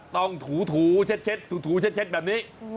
ถูเช็ดถูเช็ดแบบนี้